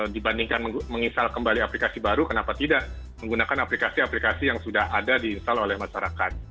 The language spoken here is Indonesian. dibandingkan menginstal kembali aplikasi baru kenapa tidak menggunakan aplikasi aplikasi yang sudah ada di install oleh masyarakat